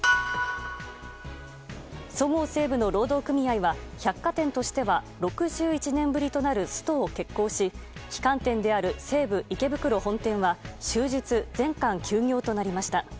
そごう・西武の労働組合は百貨店としては６１年ぶりとなるストを決行し旗艦店である西武池袋本店は終日、全館休業となりました。